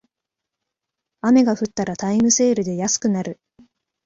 雨が降ったらタイムセールで安くなる